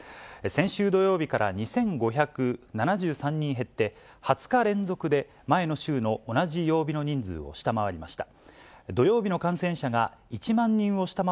先週土曜日から２５７３人減って、２０日連続で前の週の同じ曜日の人数を下回りました。